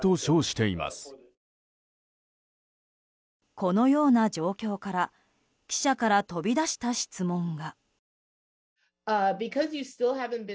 このような状況から記者から飛び出した質問が。